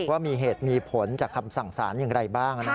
ว่ามีเหตุมีผลจากคำสั่งสารอย่างไรบ้าง